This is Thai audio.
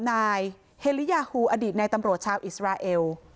นายเฮลียาฮูอดีตในตำรวจชาวอิสราเอล